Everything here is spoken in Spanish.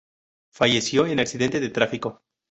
Falleció en accidente de tráfico.